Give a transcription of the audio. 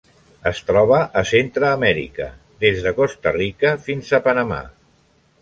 Es troba a Centreamèrica: des de Costa Rica fins a Panamà.